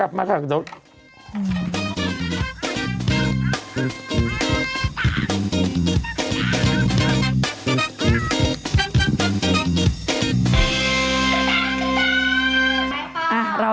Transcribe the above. กลับมาค่ะถ้าจะกลับมา